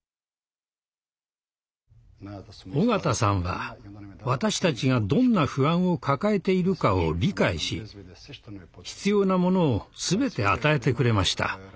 緒方さんは私たちがどんな不安を抱えているかを理解し必要なものを全て与えてくれました。